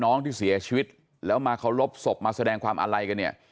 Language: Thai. น้องที่เสียชีวิตแล้วมาเคารพศพมาแสดงความอาลัยกันเนี่ย